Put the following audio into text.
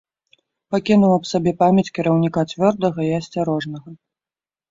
Пакінуў аб сабе памяць кіраўніка цвёрдага і асцярожнага.